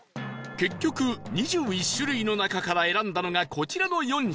結局２１種類の中から選んだのがこちらの４品